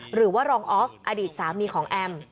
หรือว่ารองออฟอดีตสามีของแอม